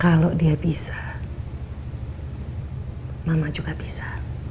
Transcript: kalau dia bisa mama juga bisa